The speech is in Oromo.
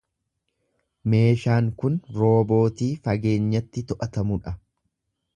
Meeshaan kun roobootii fageenyatti to'atamu dha.